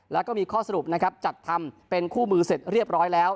แล้วก็มีข้อสรุปนะครับจัดทำเป็นคู่มือเสร็จเรียบร้อยแล้ว